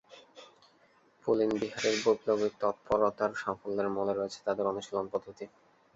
পুলিনবিহারীর বৈপ্লবিক তৎপরতার সাফল্যের মূলে রয়েছে তাদের অনুশীন পদ্ধতি।